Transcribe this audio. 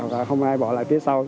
và không ai bỏ lại phía sau